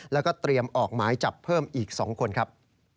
แล้วก็เตรียมออกหมายจับเพิ่มอีก๒คนครับ